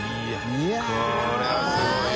いやぁこれはすごいな。